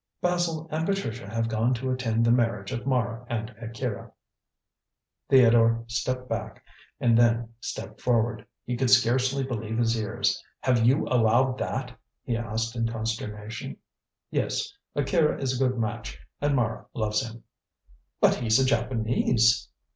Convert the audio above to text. "Basil and Patricia have gone to attend the marriage of Mara and Akira." Theodore stepped back and then stepped forward. He could scarcely believe his ears. "Have you allowed that?" he asked in consternation. "Yes. Akira is a good match, and Mara loves him." "But he's a Japanese?"